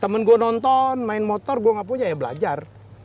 temen gue nonton main motor gue gak punya ya belajar